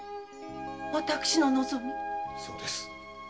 そうです。